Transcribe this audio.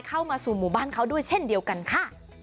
เข้ามาสู่หมู่บ้านเขาด้วยเช่นเดียวกันค่ะ